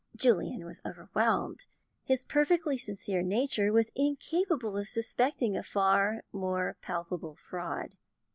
Julian was overwhelmed. His perfectly sincere nature was incapable of suspecting a far more palpable fraud.